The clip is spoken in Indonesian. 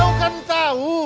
kau kan tau